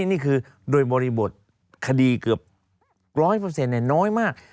นี่คือโดยบริบทคดีเกือบร้อยเปอร์เซ็นต์น้อยมาก